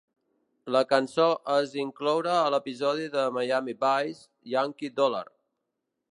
La cançó es incloure a l'episodi de "Miami Vice" "Yankee Dollar".